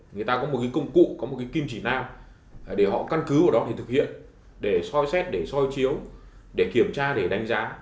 người ta có một cái công cụ có một cái kim chỉ nam để họ căn cứ vào đó để thực hiện để soi xét để soi chiếu để kiểm tra để đánh giá